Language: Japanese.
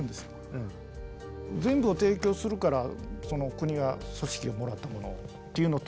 全部を提供するからその国が組織をもらったものっていうのと。